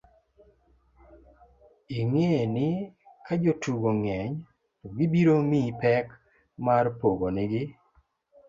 ing'e ni kajotugo ng'eny to gibiro miyi pek mar pogo nigi